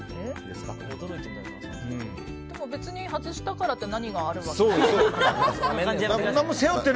でも、別に外したからって何かあるわけでもないし。